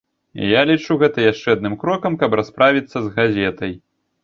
Я лічу гэта яшчэ адным крокам, каб расправіцца з газетай.